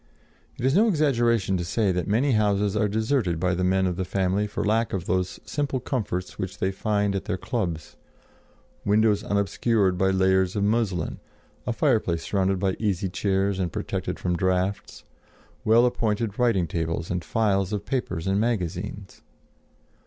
It is no exaggeration to say that many houses are deserted by the men of the family for lack of those simple comforts which they find at their clubs: windows unobscured by layers of muslin, a fireplace surrounded by easy chairs and protected from draughts, well appointed writing tables and files of papers and magazines.